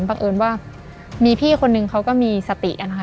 เอิญว่ามีพี่คนนึงเขาก็มีสติกันนะคะ